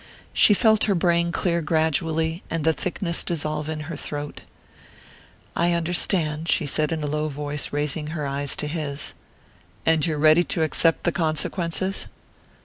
She felt her brain clear gradually, and the thickness dissolve in her throat. "I understand," she said in a low voice, raising her eyes to his. "And you're ready to accept the consequences?